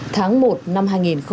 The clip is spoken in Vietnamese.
tháng một năm hai nghìn hai mươi